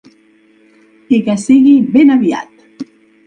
I que sigui ben aviat!